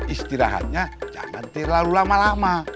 istirahatnya jangan terlalu lama lama